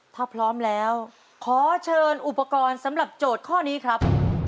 ถ้าพร้อมแล้วขอเชิญอุปกรณ์สำหรับโจทย์ข้อนี้ครับ